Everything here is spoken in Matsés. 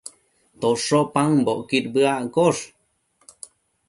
tosho paëmbocquid bëaccosh